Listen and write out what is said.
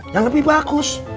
yang lebih bagus